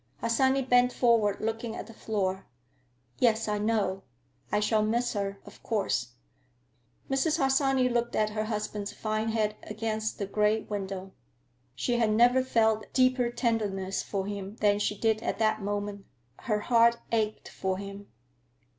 Harsanyi bent forward, looking at the floor. "Yes, I know. I shall miss her, of course." Mrs. Harsanyi looked at her husband's fine head against the gray window. She had never felt deeper tenderness for him than she did at that moment. Her heart ached for him.